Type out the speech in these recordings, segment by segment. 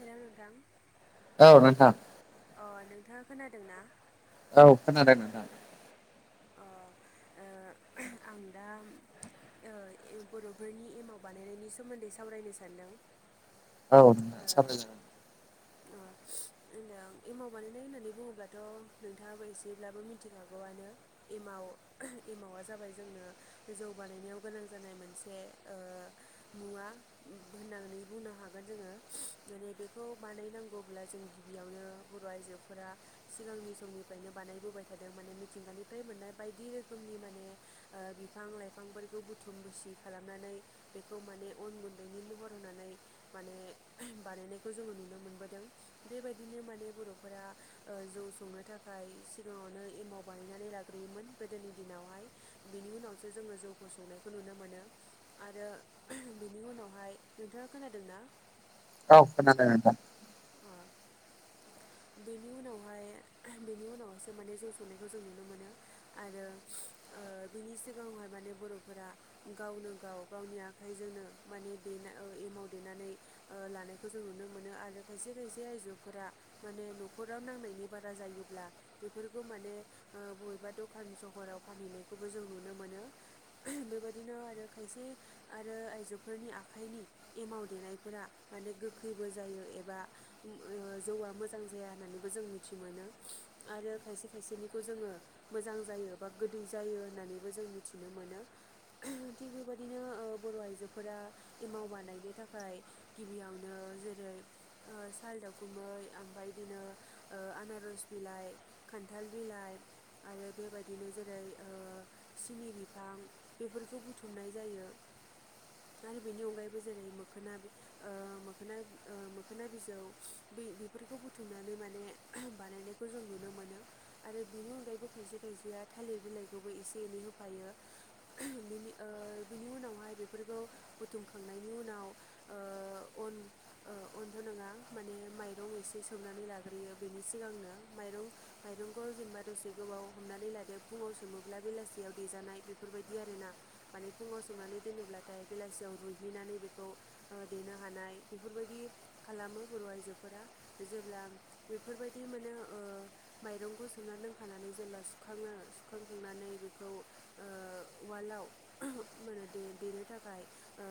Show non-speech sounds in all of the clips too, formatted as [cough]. Hello नोंथां! औ नोंथां। अ नोंथाङा खोनादों ना? औ खोनादों नोंथां। अ [inaudible] ओ आं दा। ओ ए बर'फोरनि एमाव बानायनायनि सोमोन्दै सावरायनो सानदों। औ ओ साननैसो, ओ होनदों एमाव बानायनाय होननानै बुङोब्लाथ' नोंथाङाबो एसेब्लाबो मिथिखागौआनो। एमाव एमावा जाबाय जोंनो जौ बानायनायाव गोनां जानाय मोनसे ओ मुवा ‌। होननानै बुंनो हागोन जोङो। माने बेखौ बानायनांगौब्ला जों बेयावनो बर' आइजोफोरा सिगांनि समनिफ्रायनो बानायबोबाय थादों। माने मिथिंगानिफ्राय मोननाय बायदि रोखोमनि माने ओ बिफां लाइफांफोरखौ बुथुम बुसि खालामनानै बेखौ माने अन गुन्दैनि महर होनानै माने होम बानायनायखौ जोङो नुनो मोनबोदों। बेबायदिनो माने बर'फोरा ओ जौ संनो थाखाय सिगाङावनो एमाव बानायनानै लाग्रोयोमोन गोदोनि दिनावहाय, बिनि उनावसो जोङो जौखौ संनायखौ नुनो मोनो। आरो ओम बेनि उनावहाय नोंथाङा खोनादोंना? औ खोनादों नोंथां। अ बेनि उनावहाय बेनि उनावहायसो माने जौ संनायखौ जों नुनो मोनो। आरो ओ बिनि सिगाङावहाय माने बर'फोरा गावनो गाव गावनि आखाइजोंनो माने देना ‌ओ एमाव देनानै, ओ लानायखौ जों नुनो मोनो। आरो खायसे खायसे आइजोफोरा, माने न'खराव नांनायनि बारा जायोब्ला। बेफोरखौ माने ओ बबेबा दखान सहराव फानहैनायखौबो जों नुनो मोनो। ओम बेबायदिनो आरो खायसे, आरो आइजोफोरनि आखाइनि एमाव देनायफोरा माने गोखैबो जायो एबा, हो ओम जौआ मोज मोजां जाया होननानैबो जों मिथि मोनोञआरो खायसे खायसेनिखौ जोङो मोजां जायो, बा गोदै जायो, होननानैबो जों मिथिनो मोनो। ओम थिग बेबायदिनो ओ बर' आइजोफोरा एमाव बानायनो थाखाय गिबियावनो जेरै ओ साल दावखुमै बाइदिनो ओ आनारस बिलाइ, खान्थाल बिलाइ, आरो बेबायदिनो जेरै ओ सिनि बिफां बेफोरखौ बुथुमनाय जायो। आरो बेनि अनगायैबो जेरै- मोखोना ओ मोखोना मोखोना बिजौ बि बेफोरखौ बुथुमनानै माने बानायनायखौ जों नुनो मोनो। आरो बेनि अनगायैबो खायसे खायसेया थालिर बिलाइखौबो एसे एनै होफायो। ओम बिनि ओ बिनि उनावहाय बेफोरखौ बुथुमखांनायनि उनाव ओ अन ओ अनथ' नङा माने माइ माइरं एसे सोमनानै लाग्रोयो बेनि सिगांनो माइरं माइरंखौ जेनेबा दसे गोबाव हमनानै लादो। फुङाव सोमोब्ला बेलासियाव देजानाय बेफोरबायदि आरोना। माने फुङाव सोमनानै दोनोब्लाथाय बेलासियाव रुयहैनानै बेखौ ओ देनो हानाय बेफोरबायदि खालामो बर' आइजोफोरा। जेब्ला बेफोरबायदि मोनो ओ माइरंखौ सोमना दोनखानानै जेब्ला सुखाङो सुखांखांनानै बेखौ ओ उवाल आव ओम मा होनो दे देनो थाखाय ओ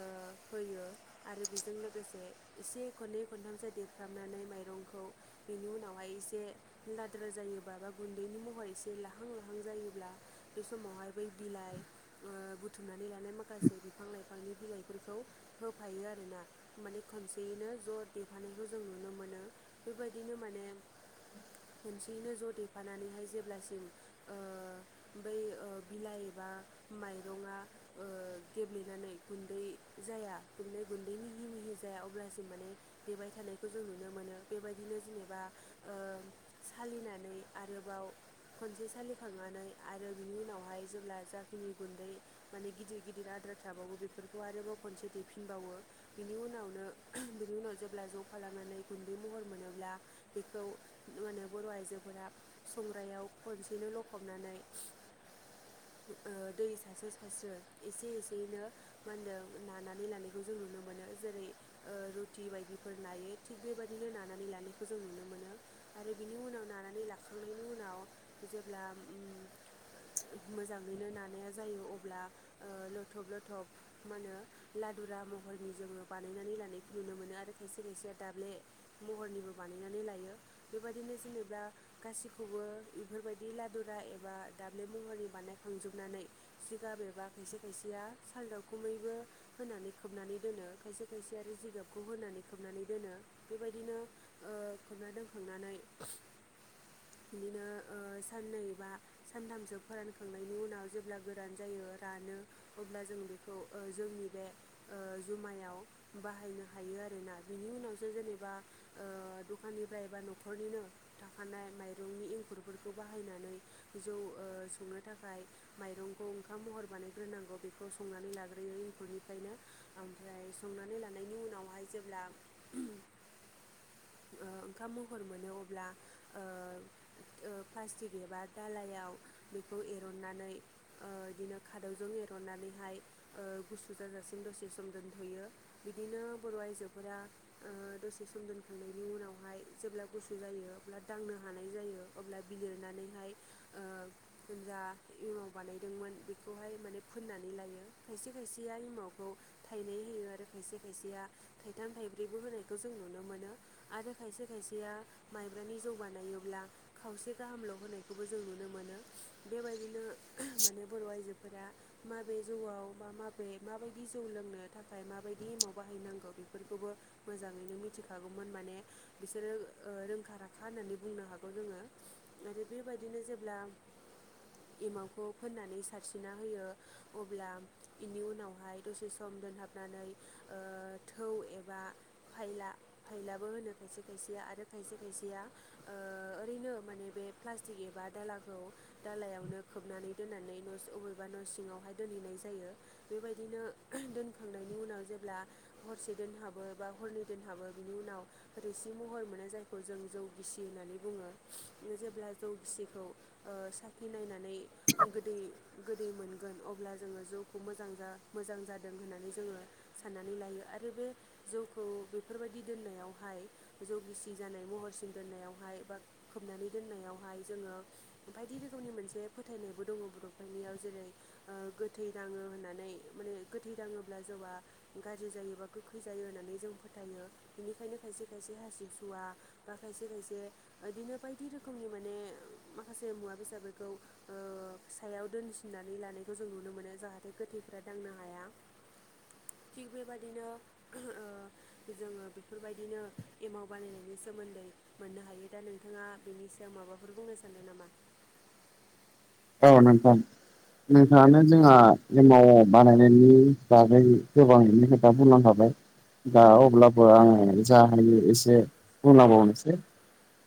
होयो आरो बेजों लोगोसे एसे खननै खनथामसो देरफ्रामनानै माइरंखौ। बेनि उनावहाय एसे लाद्रा जायोबा बा गुन्दैनि महर एसे लाहां लाहां जायोब्ला बे समावहाय बै बिलाइ ओ बुथुमनानै लानाय माखासे बिफां लाइफा बांद्राय बिलाइफोरखौ होफायो आरोना माने खनसेयैनो ज' देफानायखौ जों नुनो मोनो। बेबायदिनो माने खनसेयैनो ज' देफानानैहाय जेब्लासिम ओ बै ओ बिलाइ एबा माइरङा ओ गेब्लेनानै गुन्दै जाया गुन्दै गुन्दै मिहि मिहि जाया अब्लासो माने देबाय थानायखौ जों नुनो मोनो बेबायदिनो जेनेबा ओ सालिनानै आरोबाव खनसे सालिखांनानै आरो बिनि उनावहाय जेब्ला जाखिनि गुन्दै, माने गिदिर गिदिर आद्रा थाबावो बेफोरखौ आरोबाव खनसे दैफिनबावो, बिनि उनावनो बिनि उनाव जेब्ला ज' खालामनानै गुन्दै महर मोनोब्ला बेखौ मा होनो बर' आइजोफोरा संग्रायाव खनसेनो लखबनानै ओ दै सारस्रो सासस्रो एसे एसेैनो मा होनदों नानै लानायखौ जों नुनो मोनो जेरै ओ रुटि बायदिफोर नायो थिग बेबायदि बिदिनो नानानै लानायखौ जों नुनो मोनो। आरो बिनि उनाव नानानै लाखांनायनि उनाव जेब्ला मोजाङैनो नानाया जायो अब्ला ओ लथब लथब मा होनो लादुरा महरनि जोङो बानायनानै लानायखौ नुनो मोनो आरो खायसे खायसेया दाब्ले महरनिबो बानायनानै लायो बेबायदिनो जेनेबा गासैखौबो बेफोरबायदि लादुरा एबा दाब्ले महरनि बानायखांजोबनानै जिगाब एबा खायसे खायसेया साल दावखुमैबो होनानै खोबनानै दोनो खायसे खायसे आरो जिगाबखौ होनानै खोबनानै दोनो। बेबायदिनो ओ खोबना दोनखांनानै बिदिनो ओ साननै बा सानथामसो फोरानखांनायनि उनाव जेब्ला गोरान जायो रानो अब्ला जों बेखौ ओ जोंनि बे ओ जुमायाव बाहायनो हायो आरोना बिनि उनावसो [unintelligible] बा ओ दखाननिफ्राय बा न'खरनिनो थाखानाय माइरंनि एंखुर फोरखौ बाहायनानै जौ ओ संनो थाखाय माइरंखौ ओंखाम महर बानायग्रोनांगौ बेखौ संनानै लाग्रोयो एंखुरनिफ्रायनो ओमफ्राय संनानै लानायनि उनावहाय जेब्ला ओ ओंखाम महर मोनो अब्ला ओ ओ प्लास्टिक एबा दालायाव बेखौ एरननानै ओ बिदिनो खादौजों एरननानैहाय ओ गुसु जाजासिम दसे सम दोनथ'यो। बिदिनो बर' आइजोफोरा ओ दसे सम दोन खांनायनि उनावहाय जेब्ला गुसु जायो अब्ला दांनो हानाय जायो अब्ला बिलिरनानैहाय ओ जा एमाव बानायदोंमोन बेखौहाय माने फोननानै लायो खायसे खायसेया इमावखौ थाइनै होयो आरो खायसे खायसेया थाइथाम थाइब्रैबो होनायखौ जों नुनो मोनो। आरो खायसे खायसेया माइब्रानि जौ बानायोब्ला खावसे गाहामल' होनायखौबो जों नुनो मोनो बेबायदिनो माने बर' आइजो फोरा माबे जौआव बा माबे माबायदि जौ लोंनो थाखाय माबायदि एमाव बाहायनांगौ बेफोरखौबो मोजाङैनो मिथिखागौ। गौमोन माने बिसोरो ओ रोंखा राखा होननानै बुंनो हागौ जोङो। आरो बेबायदिनो जेब्ला एमावखौ फोननानै सारस्रिना होयो अब्ला बेनि उनावहाय दसे सम दोनहाबनानै ओ थौ एबा फायला थाइलाबो होनो खायसे खायसेया आरो खायसे खायसेया ओ ओरैनो माने बे प्लास्टिक एबा दालाखौ दालायावनो खोबनानै दोननानै अबेबा न' सिङावहाय दोनहैनाय जायो बेबायदिनो [unintelligible] दोनखांनायनि उनाव जेब्ला हरसे दोनहाबो बा हरनै दोनहाबो बिनि उनाव रोसि महर मोनो जायखौ जों जौ गिसि होननानै बुङो जेब्ला जौ गिसिखौ ओ साखि नायनानै गोदै गोदै मोनगोन अब्ला जोङो जौखौ मोजां जा मोजां जादों होननानै जोङो साननानै लायो आरो बे जौखौ बेफोरबायदि दोननायावहाय जौ गिसि जानाय महरसिम दोननायावहाय बा खोबनानै दोननायावहाय जोङो बायदि रोखोमनि मोनसे फोथायनायबो दङ बर'फोरनियाव जेरै ओ गोथै दाङो होननानै माने गोथै दाङोब्ल जौआ गाज्रि जायोबा गोखै जायो होननानै जों फोथायो बेनिखायनो खायसे खायसे हासिबसुवा बा खायसे खायसे बिदिनो बायदि रोखोमनि माने माखासे मुवा बेसादफोरखौ ओ फिसायाव दोनसिननानै लानायखौ जों नुनो मोनो जाहाथे गोथैफ्रा दांनो हाया। [inaudible] थिग बेबायदिनो जोङो बेफोरबायदिनो एमाव बानायनायनि सोमोन्दै मोननो हायो दा नोंथाङा बेनि सायाव माबाफोर बुंनो सानदों नामा? औ नोंथां। नोंथाङानो जोंहा एमाव बानायनायनि बागै गोबाङैनो खोथा बुंलांखाबाय। दा अब्लाबो आङो जा हायो एसे बुंलांबावनोसै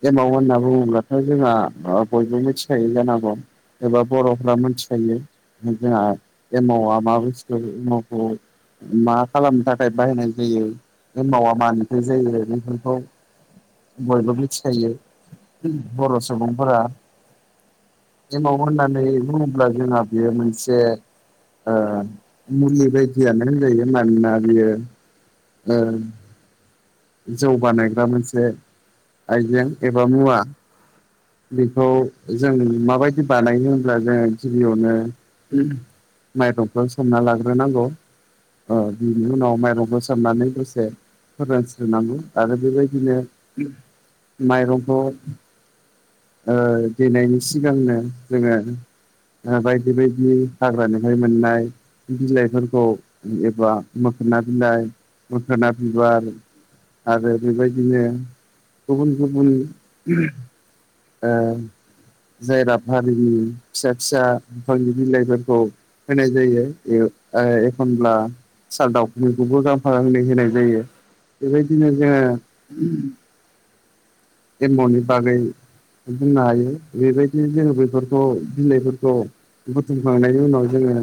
एमाव होनना बुङोब्लाथ' जोंहा बयबो मिथिखायो जानांगौ। एबा बर'फ्रा मिथिखायो जोंहा एमावआ मा बुस्थु एमावखौ मा खालामनो थाखाय बाहायनाय जायो एमावा मानिफ्राय जायो बेफोरखौ बयबो मिथिखायो बर' सुबुंफोरा एमाव होननानै बुङोब्ला जोंहा बेयो मोनसे ओ मुलि बायदियानो होनजायो मानोना बियो ओ जौ बानायग्रा मोनसे आइजें एबा मुवा। बेखौ जों माबायदि बानायो होनब्ला जोङो गिबियावनो माइरंखौ सोमना लाग्रोनांगौ। ओ बिनि उनाव माइरंबो सोमनानै दसे फोरोंस्रनांगौ आरो बेबायदिनो माइरंखौ ओ देनायनि सिगांनो जोङो बायदि बायदि हाग्रानिहाय मोननाय बिलाइफोरखौ एबा मोखोना बिलाइ मोखोना बिबार आरो बेबायदिनो गुबुन गुबुन ओ जाय रा हारिनि फिसा फिसा बिफांनि बिलाइफोरखौ होनाय जायो एखनब्ला साल दाउखुमैखौबो गांफा गांनै होनाय जायो बेबायदिनो जोङो एमाउन्टनि बागै बुंनो हायो बेबायदिनो जोङो बेफोरखौ बिलाइफोरखौ बुथुमखांनायनि उनाव जोङो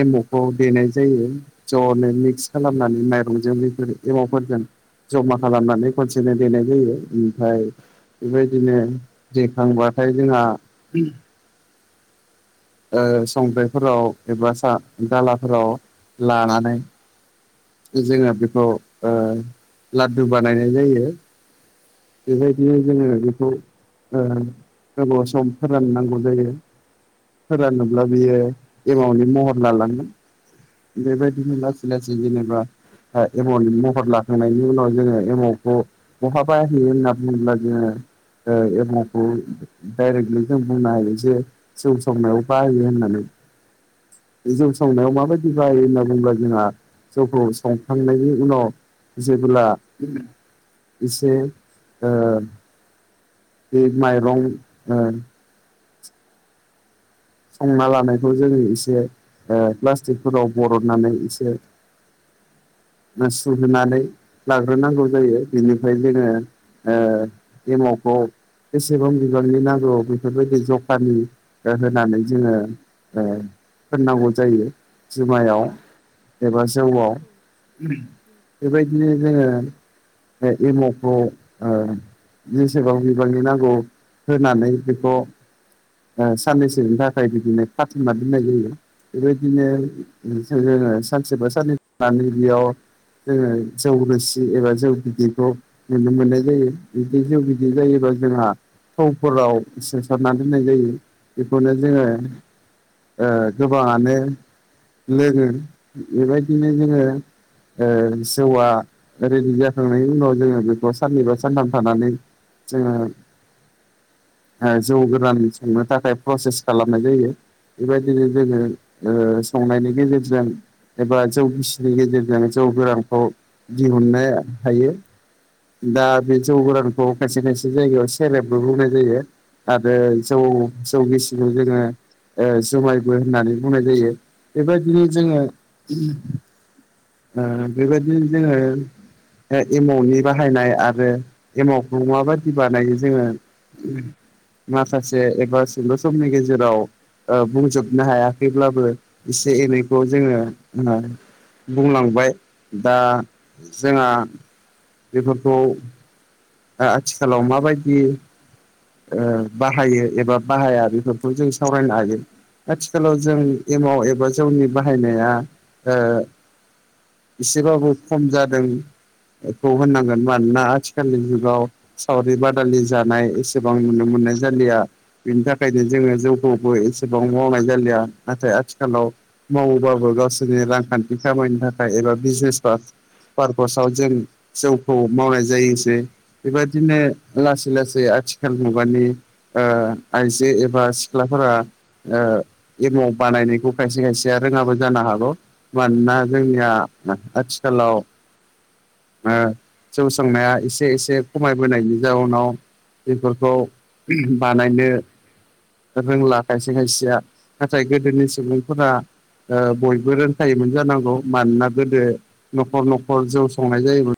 एम अ खौ देनाय जायो। जनो मिक्स खालामनानै माइरंजों बेफोर एमावफोरजों जमा खालामनानै खनसेनो देनाय जायो ओमफाय बेबायदिनो दैेखांबाथाय जोंहा ओ संख्रिफोराव एबा स दालाफोराव लानानै जोङो बेखौ लादु ओ बानायनाय जायो। बेबायदिनो जोङो बेखौ गोबाव सम फोराननांगौ जायो। फोरानोब्ला बियो एमावनि महर लालांगोन। बेबायदिनो लासै लासै जेनेबा एमाव महर लाखांनायनि उनाव जोङो एमावखौ बहाबा होनना बुङोब्ला जोङो एखौ डायरेक्टलि जों बुंनो हायो जे जौ संनायाव बाहायो होननानै जौ सावनायाव माबायदि बायो होनना बुङोब्ला जोंहा जौवखौ संखांनायनि उनाव जेब्ला एसे ओ बे माइरं ओ संना लानायखौ जोङो एसे प्लास्टिकफोराव बरननानै एसे न सुर होनानै लाग्रोनांगौ जायो बिनिफ्राय जोङो [inaudible] बेसेबां बिबांनि नांगौआव बेफोरबायदि जखानि होनानै। जोङो ओ फोननांगौ जायो जुमायाव एबा जौआव बेबायदिनो जोङो एमावखौ ओ जेसेबां बिबांनि नांगौ होनानै बेखौ ओ साननैसोनि थाखाय बिदिनो खाथुमना दोननाय जायो। बेबायदिनो जोङो सानसेबा सान्नै थानै बेयाव जोङो जौ रोसि एबा जौ बिदैखौ नुनो मोननाय जायो बिदि जउ बिदि जायोबा जोंहा थौफोराव सोसारनानै दोननाय जायो बेखौनो जोङो ओ गोबाङानो लोङो बेबायदिनो जोङो ओ जौआ रेडि जाखांनायनि उनाव जोङो बेखौ साननैबा सानथाम थानानै जोङो ओ जौ गोरान सोंनो थाखाय प्रसेस खालामनाय जायो बेबायदिनो जोङो ओ संनायनि गेजेरजों एबा जौ गिसिनि गेजेरजों जौ गोरानखौ दिहुननो हायो। दा बे जौ गोरानखौ खायसे खायसे जायगायाव सेलेबबो बुंनाय जायो। आरो जौ जौ गिसिखौ जोङो ओ जुमायबो होननानै बुंनाय जायो बेबायदिनो जोङो ओ बेबायदिनो जोङो एमावनि बाहायनाय आरो एमावखौ माबायदि बानायो जोङो माखासे एबा सुंद'' समनि गेजेराव ओ बुंजोबनो हायाखैब्लाबो एसे एनैखौ जोङो बुंलांबाय दा जोंहा बेफोरखौ आथिखालाव माबायदि ओ बाहायो एबा बाहाया बेफोरखौ जों सावरायनो हायो। आथिखालाव जों एमाव एबा जौनि बाहायनाया ओ एसेबाबो खम जादोंखौ होननांगोन मानोना आथिखालनि सावरि बादालि जानाय एसेबां नुनो मोननाय जालिया। बिनि थाखायनो जोङो जौखौबो एसेबां मावनाय जालिया नाथाय आथिखालाव मावोबाबो गावसोरनि रांखान्थि खामानि थाखाय एबा बिजनेस बा पारकसआव जों जौखौ मावनाय जायोसै। बेबायदिनो लासै लासै आथिखाल मुगानि ओ आइजो एबा सिख्लाफोरा ओ एमाव बानायनायखौ खायसे खायसेया रोङाबो जानो हागौ। मानोना जोंनिया आथिखालाव ओ जौ सांनाया एसे एसे खमायबोनायनि जाउनाव बेफोरखौ बानायनो रोंला खायसे खायसेया नाथाय गोदोनि सुबुंफोरा ओ बयबो रोंखायोमोन जानांगौ मानोना गोदो न'खर न'खर जौ संनाय जायो मोन।